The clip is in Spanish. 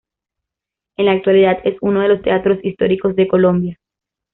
En la actualidad es uno de los teatros históricos de Colombia.